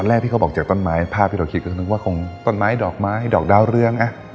แรกที่เขาบอกจากต้นไม้ภาพที่เราคิดก็คือนึกว่าคงต้นไม้ดอกไม้ดอกดาวเรือง